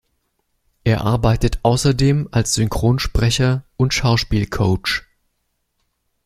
Er arbeitet außerdem als Synchronsprecher und Schauspielcoach.